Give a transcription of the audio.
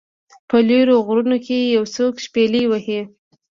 په لیرو غرونو کې یو څوک شپیلۍ وهي